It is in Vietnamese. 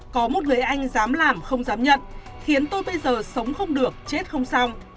có một người anh dám làm không dám nhận khiến tôi bây giờ sống không được chết không xong